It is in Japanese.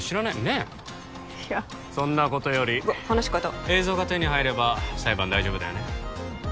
ねえいやそんなことよりうわっ話変えた映像が手に入れば裁判大丈夫だよね？